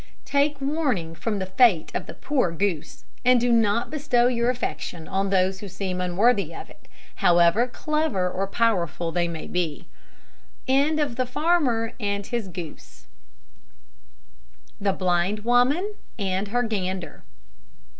Take warning from the fate of the poor goose, and do not bestow your affection on those who seem unworthy of it, however clever or powerful they may be. THE BLIND WOMAN AND HER GANDER.